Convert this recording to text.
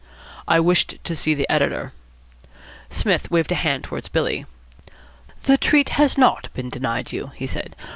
"I wished to see the editor." Psmith waved a hand towards Billy. "The treat has not been denied you," he said.